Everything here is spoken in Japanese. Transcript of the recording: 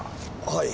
はい。